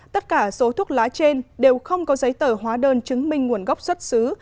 tất cả số thuốc lá trên đều không có giấy tờ hóa đơn chứng minh nguồn gốc xuất xứ